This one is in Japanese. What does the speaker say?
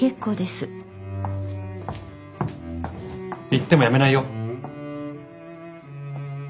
言ってもやめないよ。